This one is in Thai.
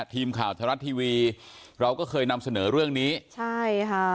ทีมข่าวไทยรัฐทีวีเราก็เคยนำเสนอเรื่องนี้ใช่ค่ะ